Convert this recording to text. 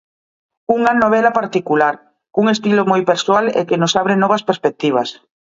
Unha novela particular, cun estilo moi persoal e que nos abre novas perspectivas.